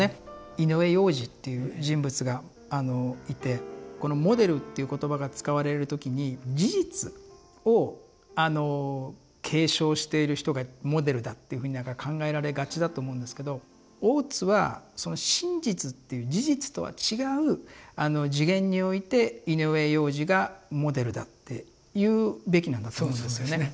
井上洋治っていう人物がいてこのモデルっていう言葉が使われる時に事実を継承している人がモデルだっていうふうに考えられがちだと思うんですけど大津はその真実っていう事実とは違う次元において井上洋治がモデルだって言うべきなんだと思うんですね。